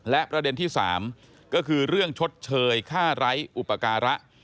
และประเด็นที่๓ก็คือเรื่องชดเชยค่าไร้อุปการะ